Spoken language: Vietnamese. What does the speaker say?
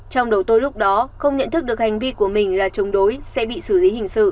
trong đầu tôi lúc đó không nhận thức được hành vi của mình là chống đối sẽ bị xử lý hình sự